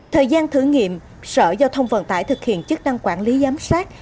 thời gian thử nghiệm sở giao thông vận tải thực hiện chức năng quản lý giám sát